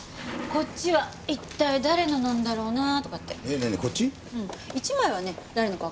こっちは一体誰のなんだろうな？とかって。